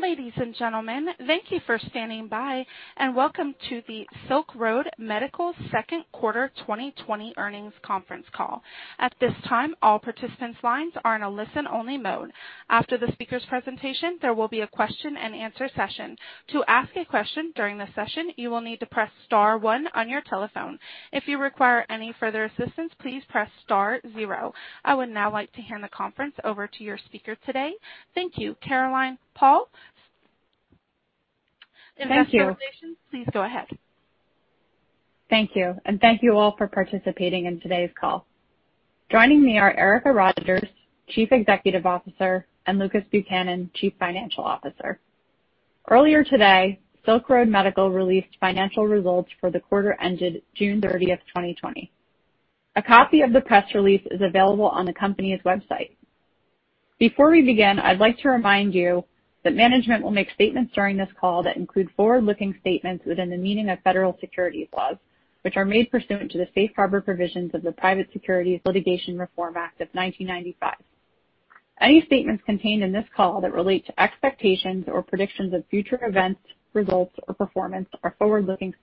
Ladies and gentlemen, thank you for standing by, and welcome to the Silk Road Medical Second Quarter 2020 Earnings Conference Call. At this time, all participants' lines are in a listen-only mode. After the speaker's presentation, there will be a question-and-answer session. To ask a question during the session, you will need to press star one on your telephone. If you require any further assistance, please press star zero. I would now like to hand the conference over to your speaker today. Thank you, Caroline Paul. Thank you. For the presentation, please go ahead. Thank you, and thank you all for participating in today's call. Joining me are Erica Rogers, Chief Executive Officer, and Lucas Buchanan, Chief Financial Officer. Earlier today, Silk Road Medical released financial results for the quarter ended June 30th, 2020. A copy of the press release is available on the company's website. Before we begin, I'd like to remind you that management will make statements during this call that include forward-looking statements within the meaning of federal securities laws, which are made pursuant to the safe harbor provisions of the Private Securities Litigation Reform Act of 1995. Any statements contained in this call that relate to expectations or predictions of future events, results, or performance are forward-looking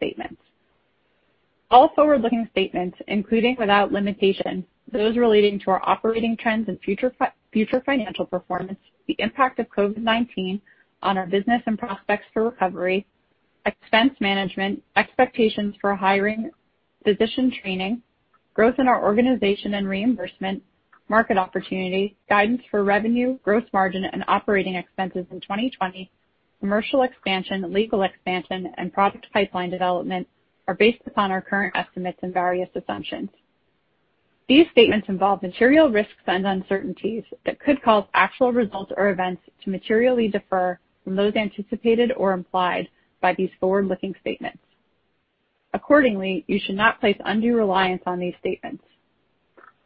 statements. All forward-looking statements, including without limitation, those relating to our operating trends and future financial performance, the impact of COVID-19 on our business and prospects for recovery, expense management, expectations for hiring, physician training, growth in our organization and reimbursement, market opportunity, guidance for revenue, gross margin, and operating expenses in 2020, commercial expansion, legal expansion, and product pipeline development are based upon our current estimates and various assumptions. These statements involve material risks and uncertainties that could cause actual results or events to materially differ from those anticipated or implied by these forward-looking statements. Accordingly, you should not place undue reliance on these statements.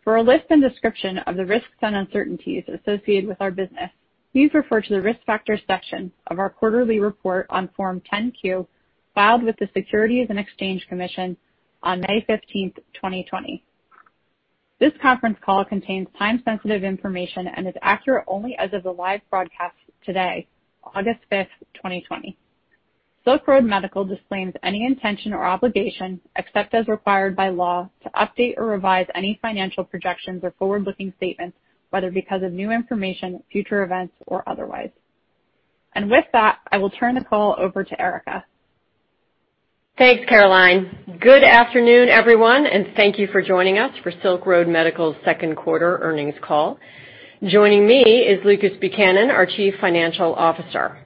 For a list and description of the risks and uncertainties associated with our business, please refer to the risk factor section of our quarterly report on Form 10-Q filed with the Securities and Exchange Commission on May 15th, 2020. This conference call contains time-sensitive information and is accurate only as of the live broadcast today, August 5th, 2020. Silk Road Medical disclaims any intention or obligation, except as required by law, to update or revise any financial projections or forward-looking statements, whether because of new information, future events, or otherwise. With that, I will turn the call over to Erica. Thanks, Caroline. Good afternoon, everyone, and thank you for joining us for Silk Road Medical's Second Quarter Earnings Call. Joining me is Lucas Buchanan, our Chief Financial Officer.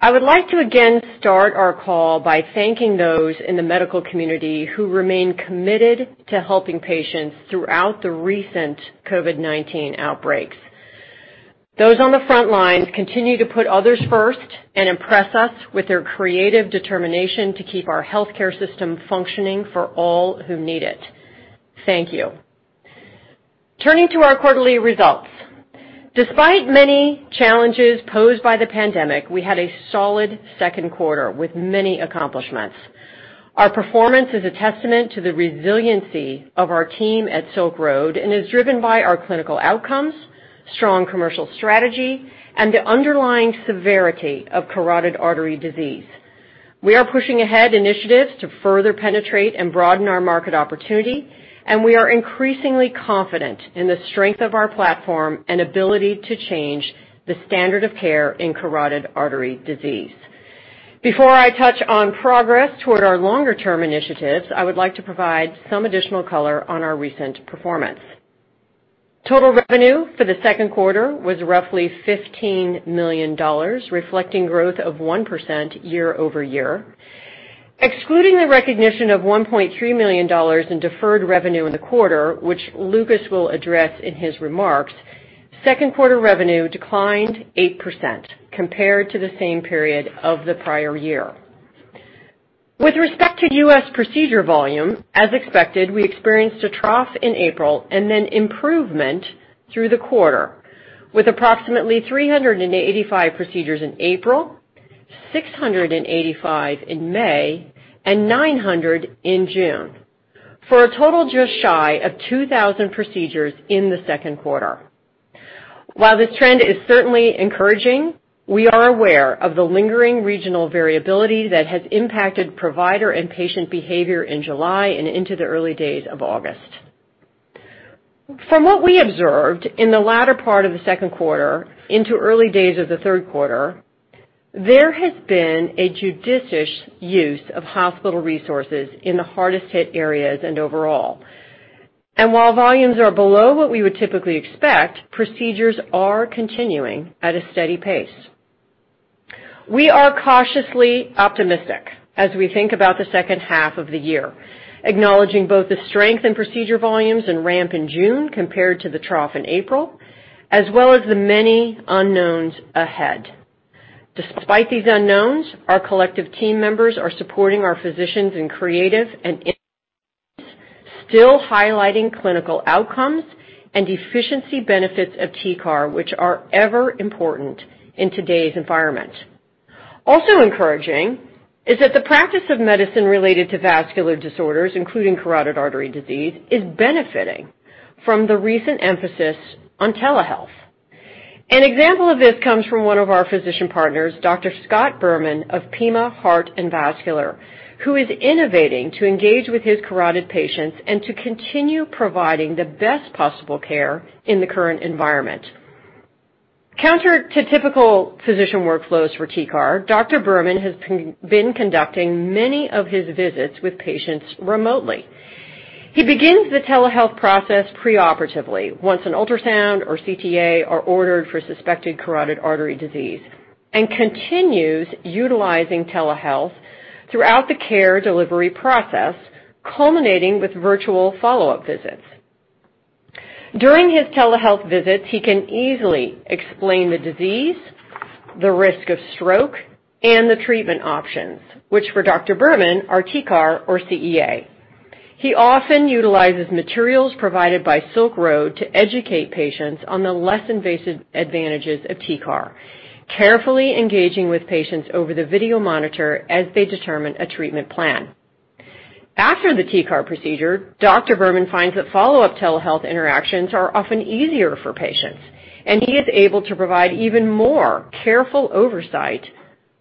I would like to again start our call by thanking those in the medical community who remain committed to helping patients throughout the recent COVID-19 outbreaks. Those on the front lines continue to put others first and impress us with their creative determination to keep our healthcare system functioning for all who need it. Thank you. Turning to our quarterly results, despite many challenges posed by the pandemic, we had a solid second quarter with many accomplishments. Our performance is a testament to the resiliency of our team at Silk Road and is driven by our clinical outcomes, strong commercial strategy, and the underlying severity of carotid artery disease. We are pushing ahead initiatives to further penetrate and broaden our market opportunity, and we are increasingly confident in the strength of our platform and ability to change the standard of care in carotid artery disease. Before I touch on progress toward our longer-term initiatives, I would like to provide some additional color on our recent performance. Total revenue for the second quarter was roughly $15 million, reflecting growth of 1% year over year. Excluding the recognition of $1.3 million in deferred revenue in the quarter, which Lucas will address in his remarks, second quarter revenue declined 8% compared to the same period of the prior year. With respect to U.S. Procedure volume, as expected, we experienced a trough in April and then improvement through the quarter, with approximately 385 procedures in April, 685 in May, and 900 in June, for a total just shy of 2,000 procedures in the second quarter. While this trend is certainly encouraging, we are aware of the lingering regional variability that has impacted provider and patient behavior in July and into the early days of August. From what we observed in the latter part of the second quarter into early days of the third quarter, there has been a judicious use of hospital resources in the hardest-hit areas and overall. While volumes are below what we would typically expect, procedures are continuing at a steady pace. We are cautiously optimistic as we think about the second half of the year, acknowledging both the strength in procedure volumes and ramp in June compared to the trough in April, as well as the many unknowns ahead. Despite these unknowns, our collective team members are supporting our physicians in creative and still highlighting clinical outcomes and efficiency benefits of TCAR, which are ever important in today's environment. Also encouraging is that the practice of medicine related to vascular disorders, including carotid artery disease, is benefiting from the recent emphasis on telehealth. An example of this comes from one of our physician partners, Dr. Scott Berman of Pima Heart and Vascular, who is innovating to engage with his carotid patients and to continue providing the best possible care in the current environment. Counter to typical physician workflows for TCAR, Dr. Berman has been conducting many of his visits with patients remotely. He begins the telehealth process preoperatively once an ultrasound or CTA are ordered for suspected carotid artery disease and continues utilizing telehealth throughout the care delivery process, culminating with virtual follow-up visits. During his telehealth visits, he can easily explain the disease, the risk of stroke, and the treatment options, which for Dr. Berman are TCAR or CEA. He often utilizes materials provided by Silk Road to educate patients on the less invasive advantages of TCAR, carefully engaging with patients over the video monitor as they determine a treatment plan. After the TCAR procedure, Dr. Berman finds that follow-up telehealth interactions are often easier for patients, and he is able to provide even more careful oversight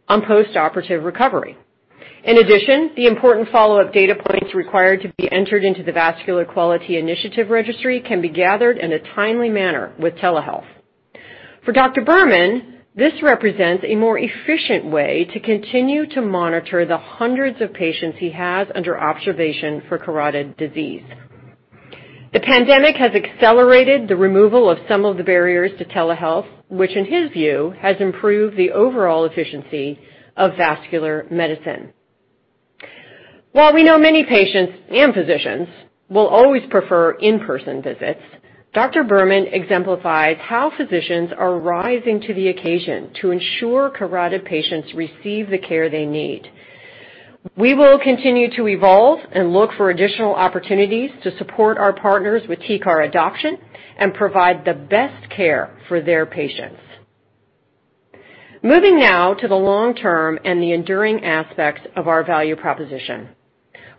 on post-operative recovery. In addition, the important follow-up data points required to be entered into the Vascular Quality Initiative Registry can be gathered in a timely manner with telehealth. For Dr. Berman, this represents a more efficient way to continue to monitor the hundreds of patients he has under observation for carotid disease. The pandemic has accelerated the removal of some of the barriers to telehealth, which in his view has improved the overall efficiency of vascular medicine. While we know many patients and physicians will always prefer in-person visits, Dr. Berman exemplifies how physicians are rising to the occasion to ensure carotid patients receive the care they need. We will continue to evolve and look for additional opportunities to support our partners with TCAR adoption and provide the best care for their patients. Moving now to the long-term and the enduring aspects of our value proposition.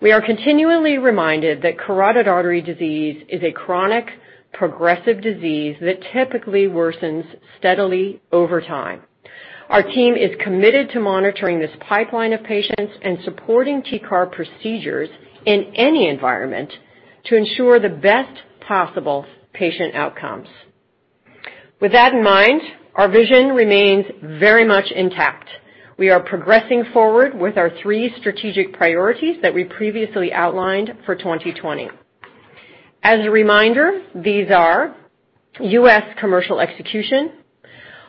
We are continually reminded that carotid artery disease is a chronic, progressive disease that typically worsens steadily over time. Our team is committed to monitoring this pipeline of patients and supporting TCAR procedures in any environment to ensure the best possible patient outcomes. With that in mind, our vision remains very much intact. We are progressing forward with our three strategic priorities that we previously outlined for 2020. As a reminder, these are U.S. commercial execution,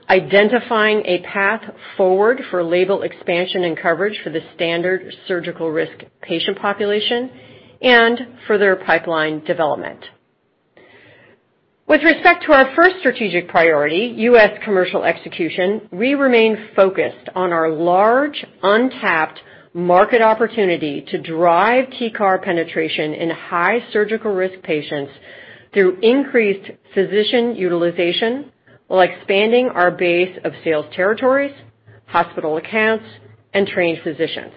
identifying a path forward for label expansion and coverage for the standard surgical risk patient population, and further pipeline development. With respect to our first strategic priority, U.S. commercial execution, we remain focused on our large, untapped market opportunity to drive TCAR penetration in high surgical risk patients through increased physician utilization while expanding our base of sales territories, hospital accounts, and trained physicians.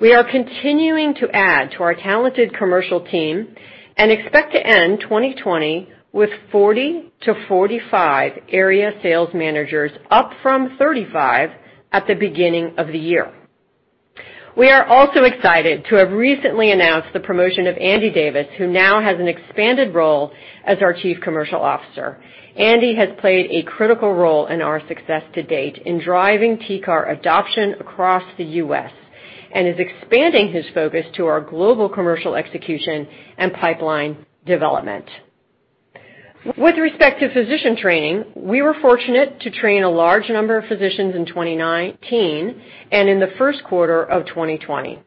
We are continuing to add to our talented commercial team and expect to end 2020 with 40-45 area sales managers, up from 35 at the beginning of the year. We are also excited to have recently announced the promotion of Andy Davis, who now has an expanded role as our Chief Commercial Officer. Andy has played a critical role in our success to date in driving TCAR adoption across the U.S. and is expanding his focus to our global commercial execution and pipeline development. With respect to physician training, we were fortunate to train a large number of physicians in 2019 and in the first quarter of 2020,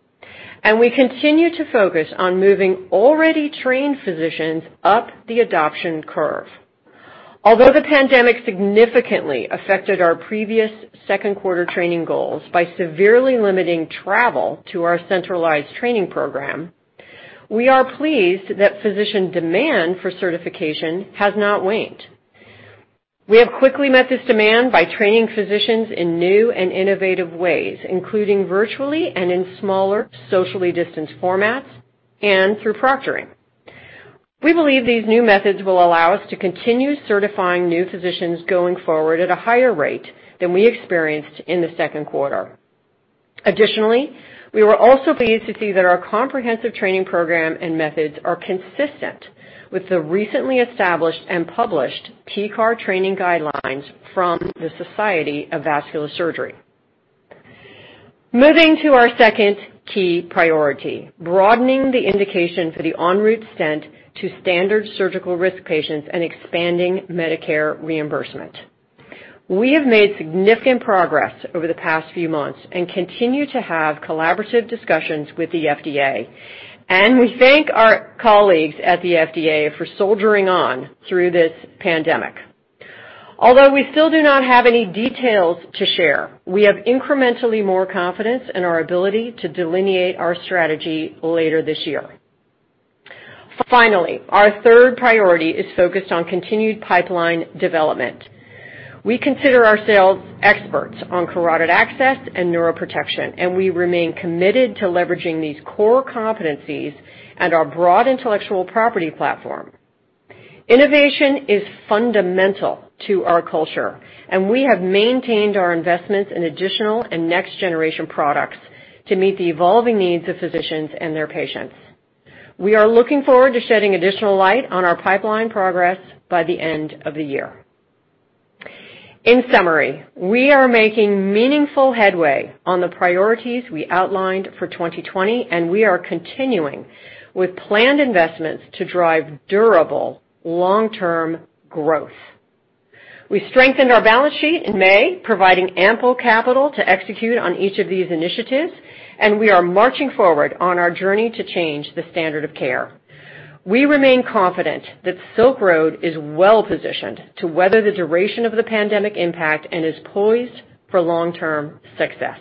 and we continue to focus on moving already trained physicians up the adoption curve. Although the pandemic significantly affected our previous second quarter training goals by severely limiting travel to our centralized training program, we are pleased that physician demand for certification has not waned. We have quickly met this demand by training physicians in new and innovative ways, including virtually and in smaller socially distanced formats and through proctoring. We believe these new methods will allow us to continue certifying new physicians going forward at a higher rate than we experienced in the second quarter. Additionally, we were also pleased to see that our comprehensive training program and methods are consistent with the recently established and published TCAR training guidelines from the Society of Vascular Surgery. Moving to our second key priority, broadening the indication for the ENROUTE Stent to standard surgical risk patients and expanding Medicare reimbursement. We have made significant progress over the past few months and continue to have collaborative discussions with the FDA, and we thank our colleagues at the FDA for soldiering on through this pandemic. Although we still do not have any details to share, we have incrementally more confidence in our ability to delineate our strategy later this year. Finally, our third priority is focused on continued pipeline development. We consider ourselves experts on carotid access and neuroprotection, and we remain committed to leveraging these core competencies and our broad intellectual property platform. Innovation is fundamental to our culture, and we have maintained our investments in additional and next-generation products to meet the evolving needs of physicians and their patients. We are looking forward to shedding additional light on our pipeline progress by the end of the year. In summary, we are making meaningful headway on the priorities we outlined for 2020, and we are continuing with planned investments to drive durable long-term growth. We strengthened our balance sheet in May, providing ample capital to execute on each of these initiatives, and we are marching forward on our journey to change the standard of care. We remain confident that Silk Road Medical is well positioned to weather the duration of the pandemic impact and is poised for long-term success.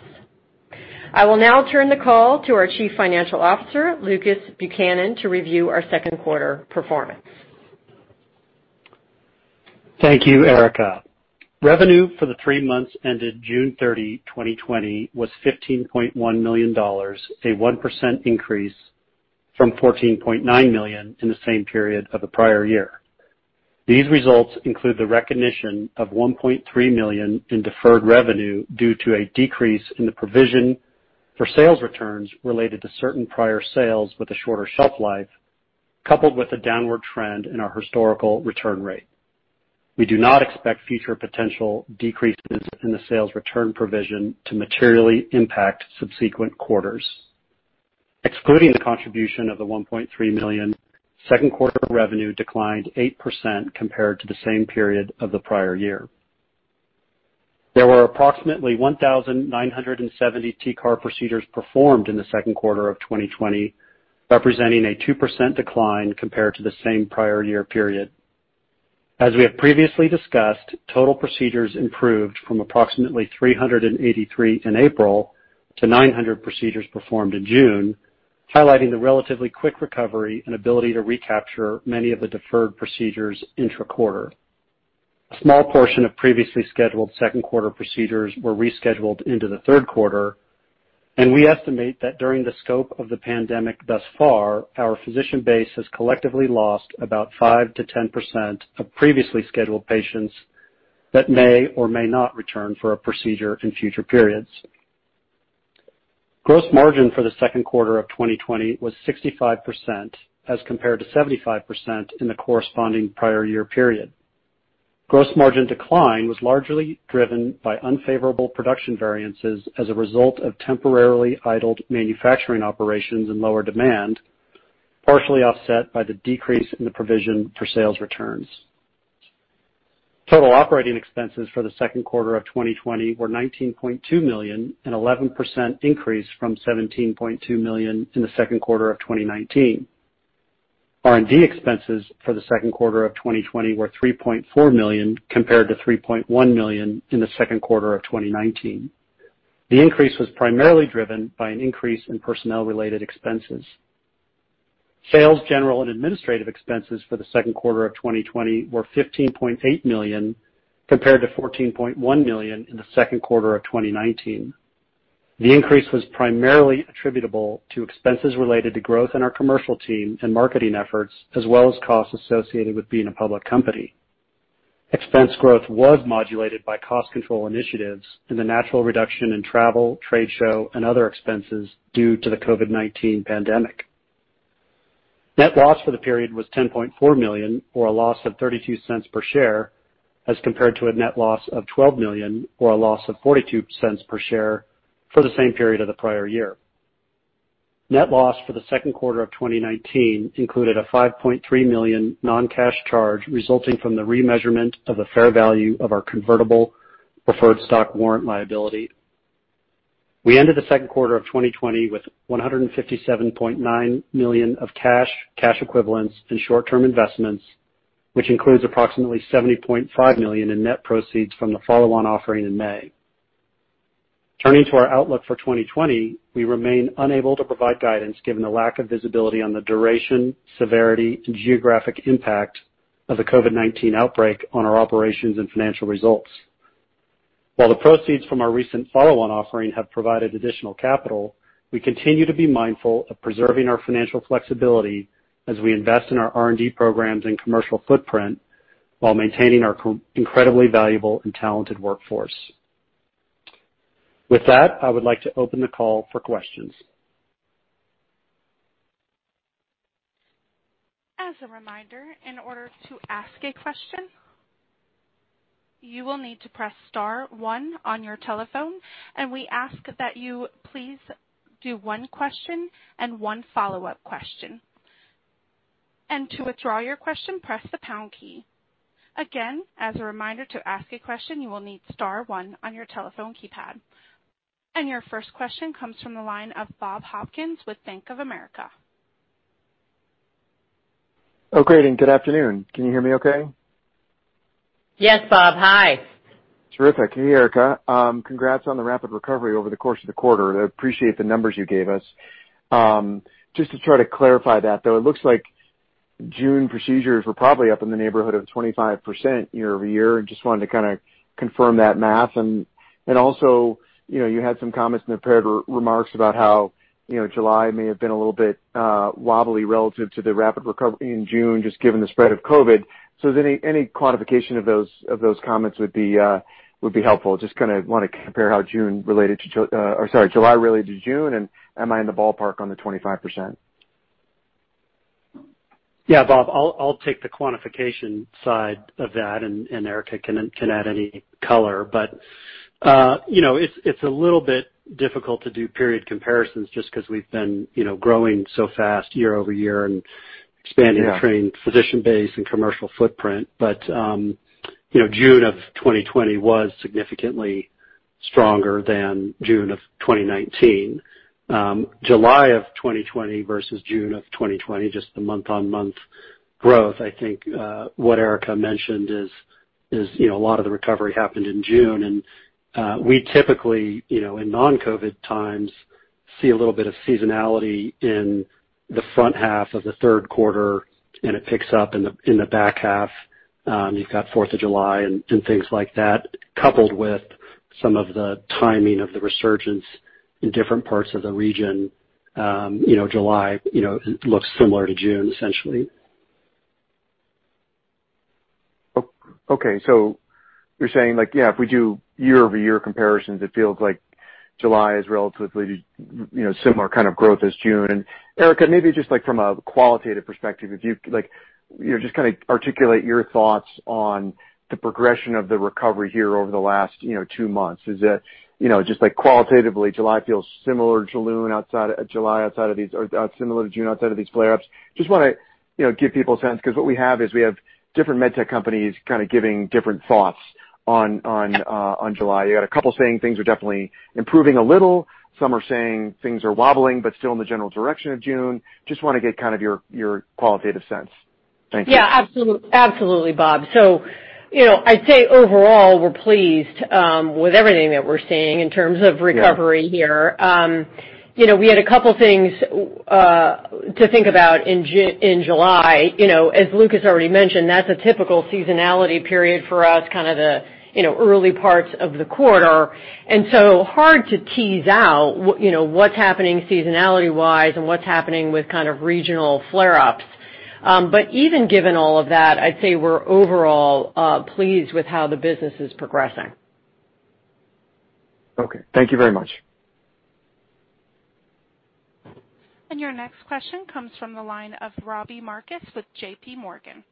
I will now turn the call to our Chief Financial Officer, Lucas Buchanan, to review our second quarter performance. Thank you, Erica. Revenue for the three months ended June 30, 2020, was $15.1 million, a 1% increase from $14.9 million in the same period of the prior year. These results include the recognition of $1.3 million in deferred revenue due to a decrease in the provision for sales returns related to certain prior sales with a shorter shelf life, coupled with a downward trend in our historical return rate. We do not expect future potential decreases in the sales return provision to materially impact subsequent quarters. Excluding the contribution of the $1.3 million, second quarter revenue declined 8% compared to the same period of the prior year. There were approximately 1,970 TCAR procedures performed in the second quarter of 2020, representing a 2% decline compared to the same prior year period. As we have previously discussed, total procedures improved from approximately 383 in April to 900 procedures performed in June, highlighting the relatively quick recovery and ability to recapture many of the deferred procedures intra-quarter. A small portion of previously scheduled second quarter procedures were rescheduled into the third quarter, and we estimate that during the scope of the pandemic thus far, our physician base has collectively lost about 5-10% of previously scheduled patients that may or may not return for a procedure in future periods. Gross margin for the second quarter of 2020 was 65% as compared to 75% in the corresponding prior year period. Gross margin decline was largely driven by unfavorable production variances as a result of temporarily idled manufacturing operations and lower demand, partially offset by the decrease in the provision for sales returns. Total operating expenses for the second quarter of 2020 were $19.2 million, an 11% increase from $17.2 million in the second quarter of 2019. R&D expenses for the second quarter of 2020 were $3.4 million compared to $3.1 million in the second quarter of 2019. The increase was primarily driven by an increase in personnel-related expenses. Sales, general, and administrative expenses for the second quarter of 2020 were $15.8 million compared to $14.1 million in the second quarter of 2019. The increase was primarily attributable to expenses related to growth in our commercial team and marketing efforts, as well as costs associated with being a public company. Expense growth was modulated by cost control initiatives and the natural reduction in travel, trade show, and other expenses due to the COVID-19 pandemic. Net loss for the period was $10.4 million, or a loss of $0.32 per share, as compared to a net loss of $12 million, or a loss of $0.42 per share for the same period of the prior year. Net loss for the second quarter of 2019 included a $5.3 million non-cash charge resulting from the remeasurement of the fair value of our convertible preferred stock warrant liability. We ended the second quarter of 2020 with $157.9 million of cash, cash equivalents, and short-term investments, which includes approximately $70.5 million in net proceeds from the follow-on offering in May. Turning to our outlook for 2020, we remain unable to provide guidance given the lack of visibility on the duration, severity, and geographic impact of the COVID-19 outbreak on our operations and financial results. While the proceeds from our recent follow-on offering have provided additional capital, we continue to be mindful of preserving our financial flexibility as we invest in our R&D programs and commercial footprint while maintaining our incredibly valuable and talented workforce. With that, I would like to open the call for questions. As a reminder, in order to ask a question, you will need to press star one on your telephone, and we ask that you please do one question and one follow-up question. To withdraw your question, press the pound key. Again, as a reminder to ask a question, you will need star one on your telephone keypad. Your first question comes from the line of Bob Hopkins with Bank of America. Oh, greetings. Good afternoon. Can you hear me okay? Yes, Bob. Hi. Terrific. Hey, Erica. Congrats on the rapid recovery over the course of the quarter. I appreciate the numbers you gave us. Just to try to clarify that, though, it looks like June procedures were probably up in the neighborhood of 25% year over year. Just wanted to kind of confirm that math. Also, you had some comments in the repair remarks about how July may have been a little bit wobbly relative to the rapid recovery in June, just given the spread of COVID. Any quantification of those comments would be helpful. Just kind of want to compare how June related to—sorry, July related to June, and am I in the ballpark on the 25%? Yeah, Bob, I'll take the quantification side of that, and Erica can add any color. It is a little bit difficult to do period comparisons just because we've been growing so fast year over year and expanding the trained physician base and commercial footprint. June of 2020 was significantly stronger than June of 2019. July of 2020 versus June of 2020, just the month-on-month growth, I think what Erica mentioned is a lot of the recovery happened in June. We typically, in non-COVID times, see a little bit of seasonality in the front half of the third quarter, and it picks up in the back half. You've got 4th of July and things like that, coupled with some of the timing of the resurgence in different parts of the region. July looks similar to June, essentially. Okay. So you're saying, yeah, if we do year-over-year comparisons, it feels like July is relatively similar kind of growth as June. And Erica, maybe just from a qualitative perspective, if you just kind of articulate your thoughts on the progression of the recovery here over the last two months. Is it just qualitatively, July feels similar to June outside of these or similar to June outside of these flare-ups? Just want to give people a sense because what we have is we have different med tech companies kind of giving different thoughts on July. You got a couple saying things are definitely improving a little. Some are saying things are wobbling, but still in the general direction of June. Just want to get kind of your qualitative sense. Thank you. Yeah, absolutely, Bob. I'd say overall, we're pleased with everything that we're seeing in terms of recovery here. We had a couple of things to think about in July. As Lucas already mentioned, that's a typical seasonality period for us, kind of the early parts of the quarter. It is hard to tease out what's happening seasonality-wise and what's happening with kind of regional flare-ups. Even given all of that, I'd say we're overall pleased with how the business is progressing. Okay. Thank you very much. Your next question comes from the line of Robbie Marcus with JPMorgan.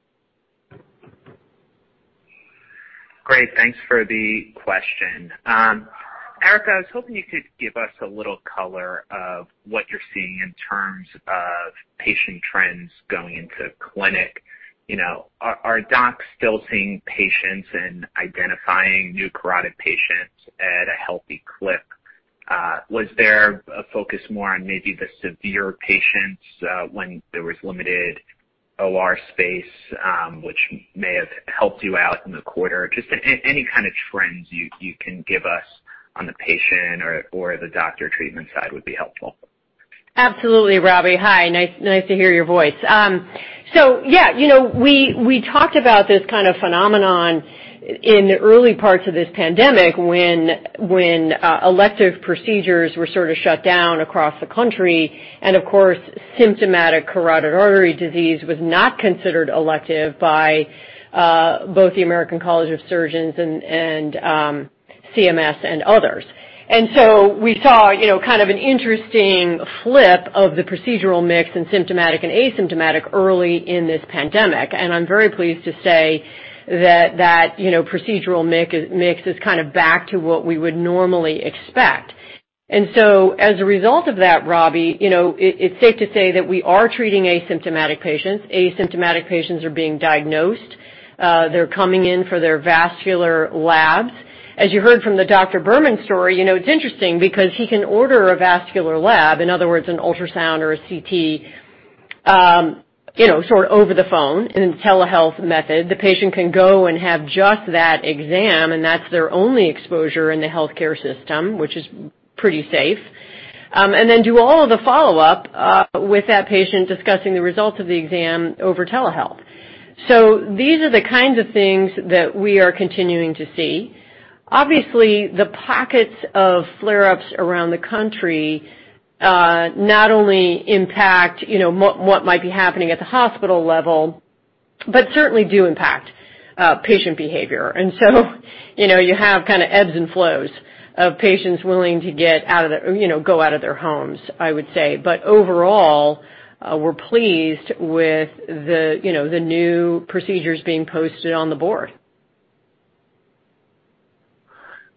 Great. Thanks for the question. Erica, I was hoping you could give us a little color of what you're seeing in terms of patient trends going into clinic. Are docs still seeing patients and identifying new carotid patients at a healthy clip? Was there a focus more on maybe the severe patients when there was limited OR space, which may have helped you out in the quarter? Just any kind of trends you can give us on the patient or the doctor treatment side would be helpful. Absolutely, Robbie. Hi. Nice to hear your voice. Yeah, we talked about this kind of phenomenon in the early parts of this pandemic when elective procedures were sort of shut down across the country. Of course, symptomatic carotid artery disease was not considered elective by both the American College of Surgeons and CMS and others. We saw kind of an interesting flip of the procedural mix and symptomatic and asymptomatic early in this pandemic. I'm very pleased to say that that procedural mix is kind of back to what we would normally expect. As a result of that, Robbie, it's safe to say that we are treating asymptomatic patients. Asymptomatic patients are being diagnosed. They're coming in for their vascular labs. As you heard from the Dr. Berman story, it's interesting because he can order a vascular lab, in other words, an ultrasound or a CT, sort of over the phone in a telehealth method. The patient can go and have just that exam, and that's their only exposure in the healthcare system, which is pretty safe, and then do all of the follow-up with that patient discussing the results of the exam over telehealth. These are the kinds of things that we are continuing to see. Obviously, the pockets of flare-ups around the country not only impact what might be happening at the hospital level, but certainly do impact patient behavior. You have kind of ebbs and flows of patients willing to get out of their go out of their homes, I would say. Overall, we're pleased with the new procedures being posted on the board.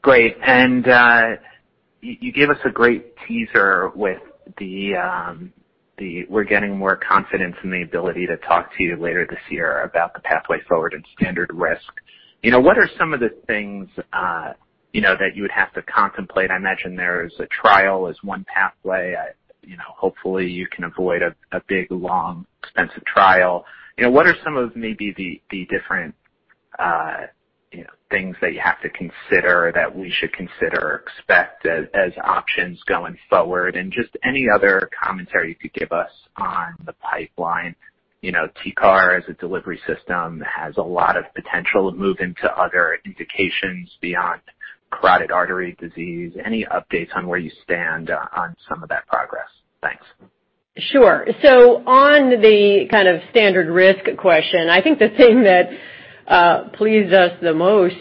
Great. You gave us a great teaser with the, "We're getting more confidence in the ability to talk to you later this year about the pathway forward and standard risk." What are some of the things that you would have to contemplate? I imagine there's a trial as one pathway. Hopefully, you can avoid a big, long, expensive trial. What are some of maybe the different things that you have to consider that we should consider or expect as options going forward? Just any other commentary you could give us on the pipeline. TCAR as a delivery system has a lot of potential moving to other indications beyond carotid artery disease. Any updates on where you stand on some of that progress? Thanks. Sure. On the kind of standard risk question, I think the thing that pleased us the most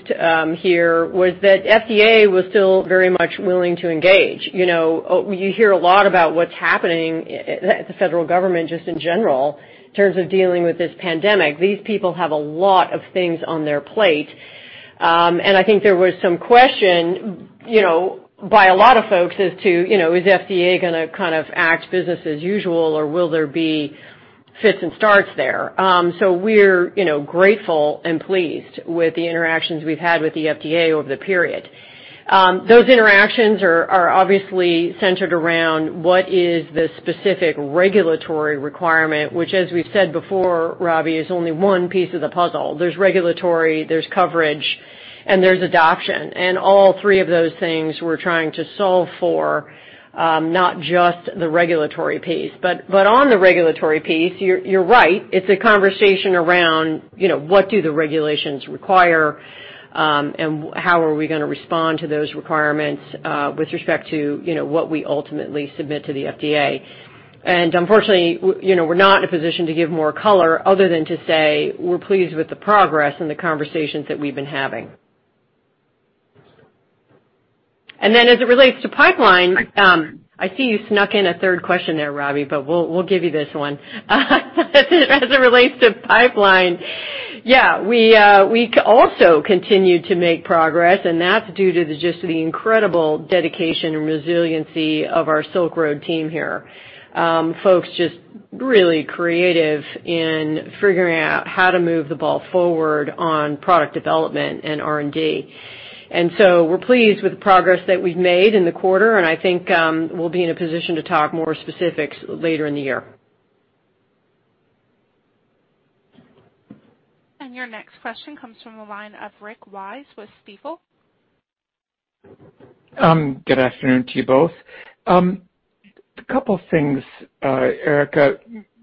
here was that FDA was still very much willing to engage. You hear a lot about what's happening at the federal government just in general in terms of dealing with this pandemic. These people have a lot of things on their plate. I think there was some question by a lot of folks as to, "Is FDA going to kind of act business as usual, or will there be fits and starts there?" We are grateful and pleased with the interactions we've had with the FDA over the period. Those interactions are obviously centered around what is the specific regulatory requirement, which, as we've said before, Robbie, is only one piece of the puzzle. There's regulatory, there's coverage, and there's adoption. All three of those things we're trying to solve for, not just the regulatory piece. On the regulatory piece, you're right. It's a conversation around what do the regulations require, and how are we going to respond to those requirements with respect to what we ultimately submit to the FDA? Unfortunately, we're not in a position to give more color other than to say we're pleased with the progress and the conversations that we've been having. As it relates to pipeline, I see you snuck in a third question there, Robbie, but we'll give you this one. As it relates to pipeline, yeah, we also continue to make progress, and that's due to just the incredible dedication and resiliency of our Silk Road team here. Folks just really creative in figuring out how to move the ball forward on product development and R&D. We're pleased with the progress that we've made in the quarter, and I think we'll be in a position to talk more specifics later in the year. Your next question comes from the line of Rick Wise with Stifel. Good afternoon to you both. A couple of things, Erica.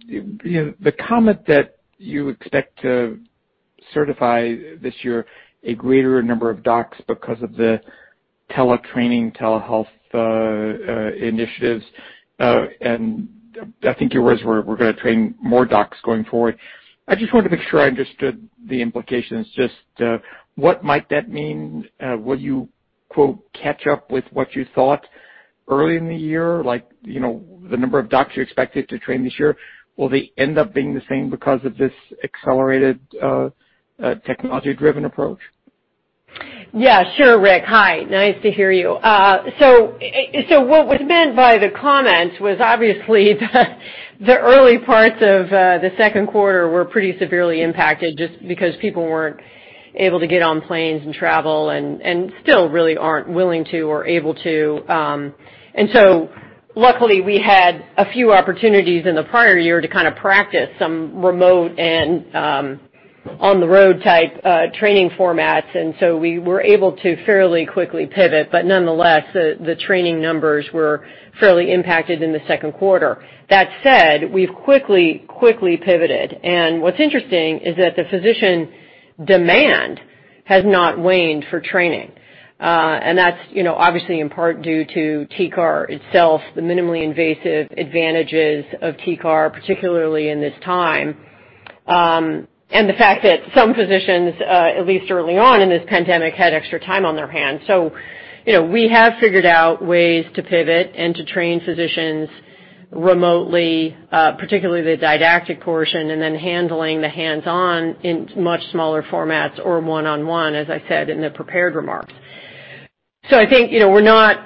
The comment that you expect to certify this year a greater number of docs because of the teletraining, telehealth initiatives, and I think your words were we're going to train more docs going forward. I just wanted to make sure I understood the implications. Just what might that mean? Will you "catch up with what you thought" early in the year, like the number of docs you expected to train this year? Will they end up being the same because of this accelerated technology-driven approach? Yeah. Sure, Rick. Hi. Nice to hear you. What was meant by the comments was obviously the early parts of the second quarter were pretty severely impacted just because people were not able to get on planes and travel and still really are not willing to or able to. Luckily, we had a few opportunities in the prior year to kind of practice some remote and on-the-road type training formats. We were able to fairly quickly pivot. Nonetheless, the training numbers were fairly impacted in the second quarter. That said, we have quickly, quickly pivoted. What is interesting is that the physician demand has not waned for training. That is obviously in part due to TCAR itself, the minimally invasive advantages of TCAR, particularly in this time, and the fact that some physicians, at least early on in this pandemic, had extra time on their hands. We have figured out ways to pivot and to train physicians remotely, particularly the didactic portion, and then handling the hands-on in much smaller formats or one-on-one, as I said in the prepared remarks. I think we're not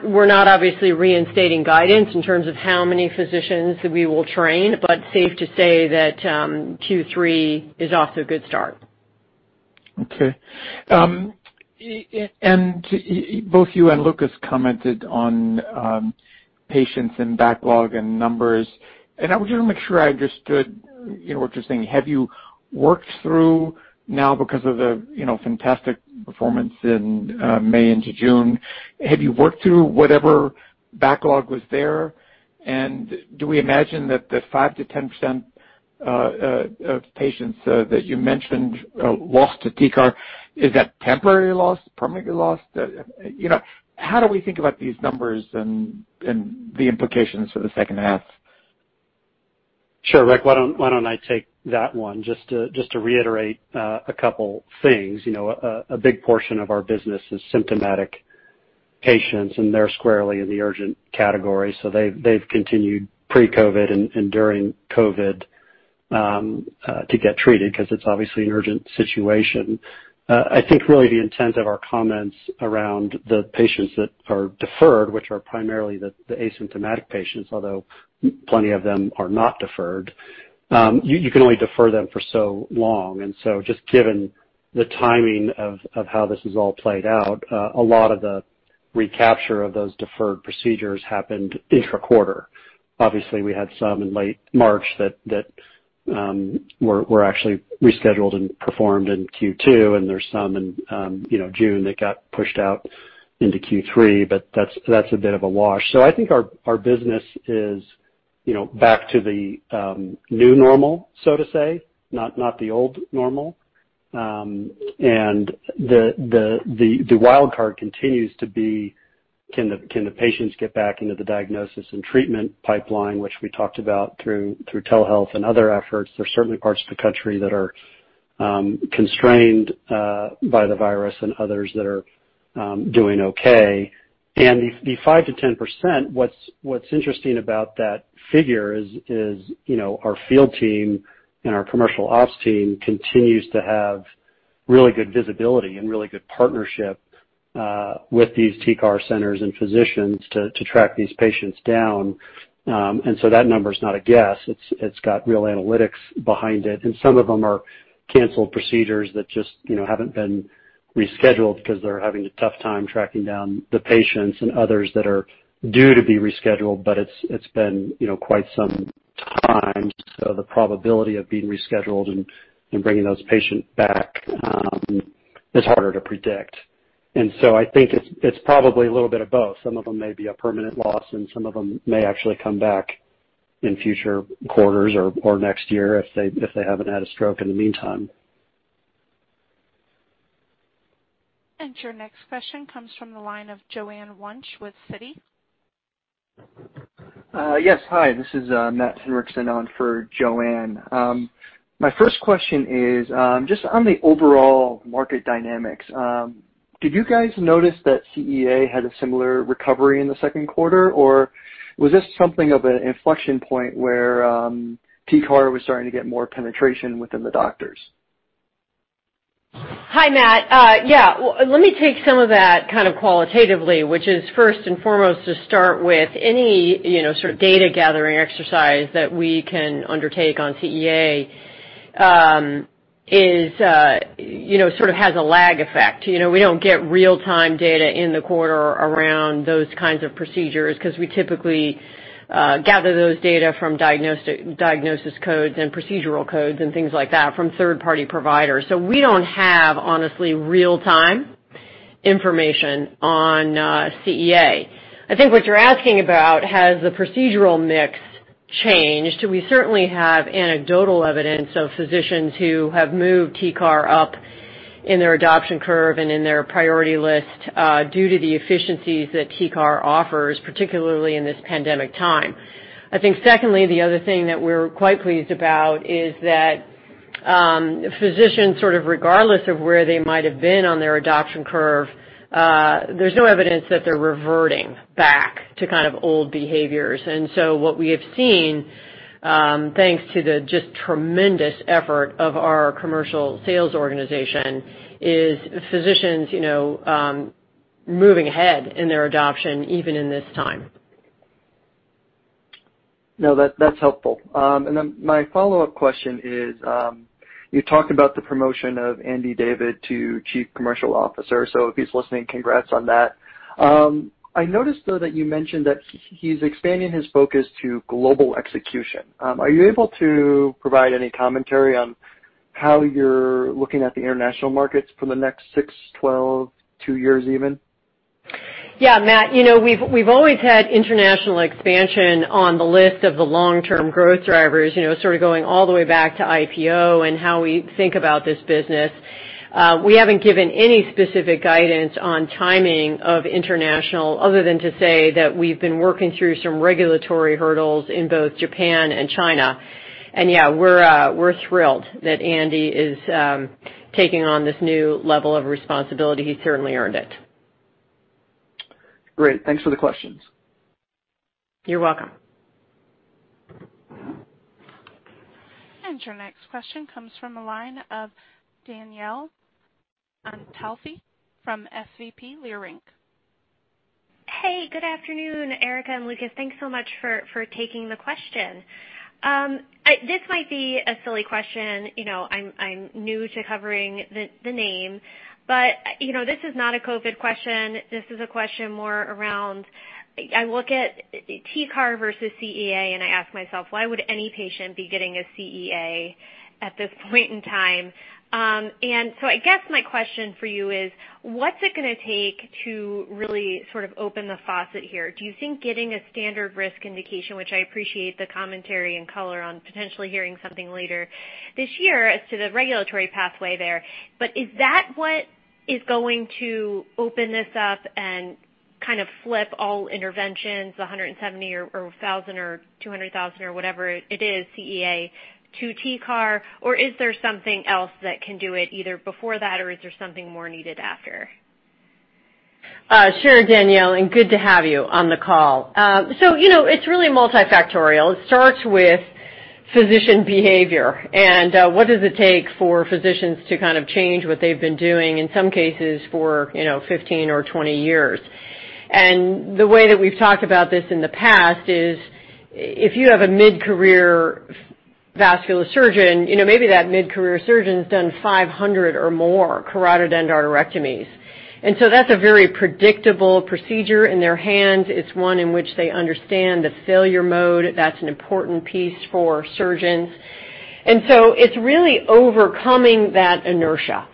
obviously reinstating guidance in terms of how many physicians we will train, but safe to say that Q3 is off to a good start. Okay. Both you and Lucas commented on patients and backlog and numbers. I want to make sure I understood what you're saying. Have you worked through now, because of the fantastic performance in May into June, have you worked through whatever backlog was there? Do we imagine that the 5%-10% of patients that you mentioned lost to TCAR, is that temporary loss, permanent loss? How do we think about these numbers and the implications for the second half? Sure, Rick. Why don't I take that one? Just to reiterate a couple of things. A big portion of our business is symptomatic patients, and they're squarely in the urgent category. They have continued pre-COVID and during COVID to get treated because it's obviously an urgent situation. I think really the intent of our comments around the patients that are deferred, which are primarily the asymptomatic patients, although plenty of them are not deferred, you can only defer them for so long. Just given the timing of how this has all played out, a lot of the recapture of those deferred procedures happened intra-quarter. Obviously, we had some in late March that were actually rescheduled and performed in Q2, and there are some in June that got pushed out into Q3, but that's a bit of a wash. I think our business is back to the new normal, so to say, not the old normal. The wild card continues to be can the patients get back into the diagnosis and treatment pipeline, which we talked about through telehealth and other efforts. There are certainly parts of the country that are constrained by the virus and others that are doing okay. The 5-10%, what's interesting about that figure is our field team and our commercial ops team continues to have really good visibility and really good partnership with these TCAR centers and physicians to track these patients down. That number is not a guess. It's got real analytics behind it. Some of them are canceled procedures that just have not been rescheduled because they are having a tough time tracking down the patients, and others are due to be rescheduled, but it has been quite some time. The probability of being rescheduled and bringing those patients back is harder to predict. I think it is probably a little bit of both. Some of them may be a permanent loss, and some of them may actually come back in future quarters or next year if they have not had a stroke in the meantime. Your next question comes from the line of Joanne Wuensch with Citi. Yes. Hi. This is Matt Henriksson on for Joanne. My first question is just on the overall market dynamics. Did you guys notice that CEA had a similar recovery in the second quarter, or was this something of an inflection point where TCAR was starting to get more penetration within the doctors? Hi, Matt. Yeah. Let me take some of that kind of qualitatively, which is first and foremost to start with any sort of data gathering exercise that we can undertake on CEA sort of has a lag effect. We do not get real-time data in the quarter around those kinds of procedures because we typically gather those data from diagnosis codes and procedural codes and things like that from third-party providers. So we do not have, honestly, real-time information on CEA. I think what you are asking about, has the procedural mix changed? We certainly have anecdotal evidence of physicians who have moved TCAR up in their adoption curve and in their priority list due to the efficiencies that TCAR offers, particularly in this pandemic time. I think secondly, the other thing that we're quite pleased about is that physicians, sort of regardless of where they might have been on their adoption curve, there's no evidence that they're reverting back to kind of old behaviors. What we have seen, thanks to the just tremendous effort of our commercial sales organization, is physicians moving ahead in their adoption even in this time. No, that's helpful. My follow-up question is you talked about the promotion of Andy Davis to Chief Commercial Officer. If he's listening, congrats on that. I noticed, though, that you mentioned that he's expanding his focus to global execution. Are you able to provide any commentary on how you're looking at the international markets for the next 6, 12, 2 years even? Yeah, Matt. We've always had international expansion on the list of the long-term growth drivers, sort of going all the way back to IPO and how we think about this business. We haven't given any specific guidance on timing of international other than to say that we've been working through some regulatory hurdles in both Japan and China. Yeah, we're thrilled that Andy is taking on this new level of responsibility. He's certainly earned it. Great. Thanks for the questions. You're welcome. Your next question comes from the line of Danielle Antalffy from SVB Leerink. Hey, good afternoon, Erica and Lucas. Thanks so much for taking the question. This might be a silly question. I'm new to covering the name, but this is not a COVID question. This is a question more around I look at TCAR versus CEA, and I ask myself, why would any patient be getting a CEA at this point in time? I guess my question for you is, what's it going to take to really sort of open the faucet here? Do you think getting a standard risk indication, which I appreciate the commentary and color on potentially hearing something later this year as to the regulatory pathway there, but is that what is going to open this up and kind of flip all interventions, 170 or 1,000 or 200,000 or whatever it is, CEA, to TCAR, or is there something else that can do it either before that, or is there something more needed after? Sure, Danielle, and good to have you on the call. It is really multifactorial. It starts with physician behavior and what does it take for physicians to kind of change what they have been doing in some cases for 15 or 20 years. The way that we have talked about this in the past is if you have a mid-career vascular surgeon, maybe that mid-career surgeon has done 500 or more carotid endarterectomies. That is a very predictable procedure in their hands. It is one in which they understand the failure mode. That is an important piece for surgeons. It is really overcoming that inertia.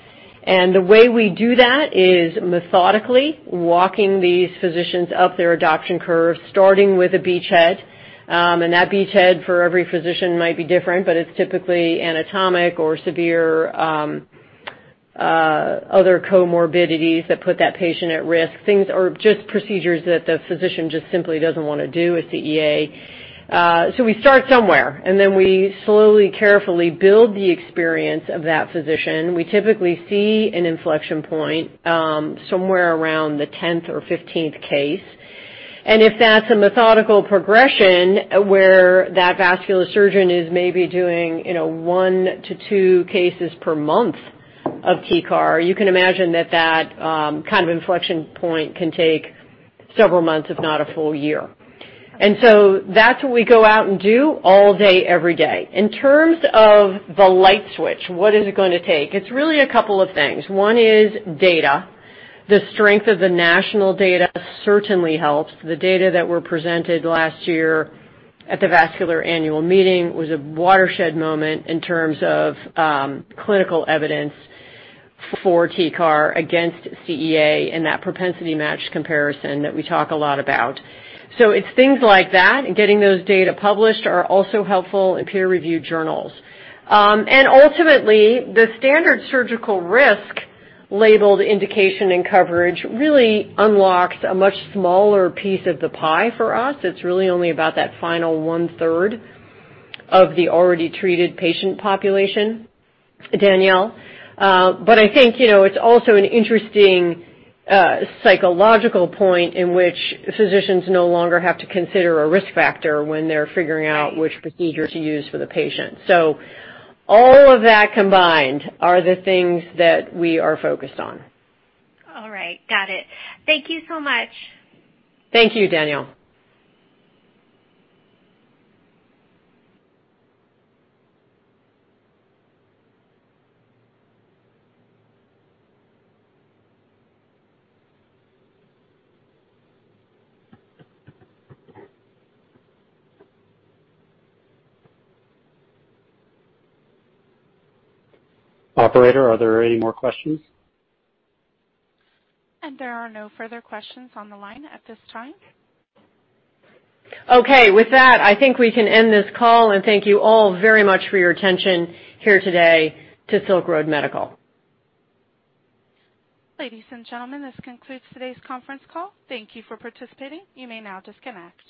The way we do that is methodically walking these physicians up their adoption curve, starting with a beachhead. That beachhead for every physician might be different, but it is typically anatomic or severe other comorbidities that put that patient at risk. Things are just procedures that the physician just simply doesn't want to do with CEA. We start somewhere, and then we slowly, carefully build the experience of that physician. We typically see an inflection point somewhere around the 10th or 15th case. If that's a methodical progression where that vascular surgeon is maybe doing one to two cases per month of TCAR, you can imagine that that kind of inflection point can take several months, if not a full year. That's what we go out and do all day, every day. In terms of the light switch, what is it going to take? It's really a couple of things. One is data. The strength of the national data certainly helps. The data that were presented last year at the Vascular Annual Meeting was a watershed moment in terms of clinical evidence for TCAR against CEA and that propensity match comparison that we talk a lot about. It's things like that. Getting those data published are also helpful in peer-reviewed journals. Ultimately, the standard surgical risk labeled indication and coverage really unlocks a much smaller piece of the pie for us. It's really only about that final one-third of the already treated patient population, Danielle. I think it's also an interesting psychological point in which physicians no longer have to consider a risk factor when they're figuring out which procedure to use for the patient. All of that combined are the things that we are focused on. All right. Got it. Thank you so much. Thank you, Danielle. Operator, are there any more questions? There are no further questions on the line at this time. Okay. With that, I think we can end this call, and thank you all very much for your attention here today to Silk Road Medical. Ladies and gentlemen, this concludes today's conference call. Thank you for participating. You may now disconnect.